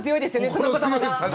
その言葉。